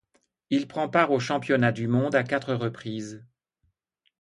Il prend part aux championnats du monde à quatre reprises.